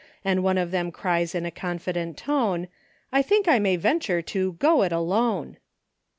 And one of them cries in a confident tone, *I think I may venture to go it alone.